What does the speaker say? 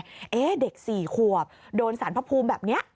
เอ๊ะเด็กสี่ขวบโดนสารพระภูมิแบบนี้